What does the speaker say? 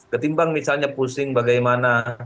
ketimbang misalnya pusing bagaimana